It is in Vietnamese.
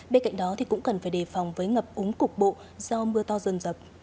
bên cạnh đó cũng cần phải đề phòng với ngập úng cục bộ do mưa to dần dập